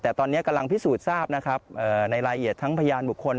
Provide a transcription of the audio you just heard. แต่ตอนนี้กำลังพิสูจน์ทราบนะครับในรายละเอียดทั้งพยานบุคคล